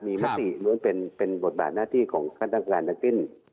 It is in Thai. มีมักสี่เป็นบทบาทหน้าที่ของท่านท่านการณ์นักติ้น